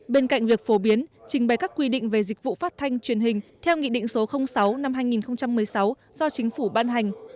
bên cạnh việc phổ biến trình bày các quy định về dịch vụ phát thanh truyền hình theo nghị định số sáu năm hai nghìn một mươi sáu do chính phủ ban hành